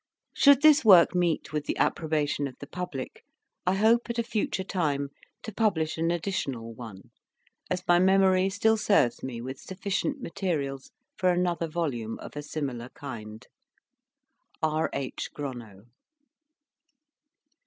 Should this work meet with the approbation of the public, I hope at a future time to publish an additional one, as my memory still serves me with sufficient materials for another volume of a similar kind. R. H. Gronow.